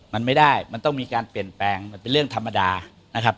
มันไม่ได้มันต้องมีการเปลี่ยนแปลงมันเป็นเรื่องธรรมดานะครับ